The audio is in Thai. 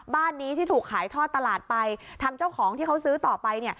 บ้านนี้ที่ถูกขายทอดตลาดไปทางเจ้าของที่เขาซื้อต่อไปเนี่ย